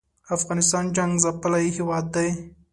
افغانستان جنګ څپلی هېواد دی